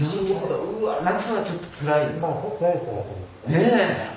ねえ！